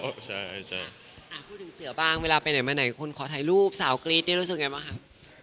พูดถึงเสือบ้างเวลาไปไหนคุณขอถ่ายรูปสาวกรี๊ดรู้สึกยังไงบ้างครับ